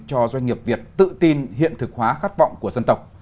cho doanh nghiệp việt tự tin hiện thực hóa khát vọng của dân tộc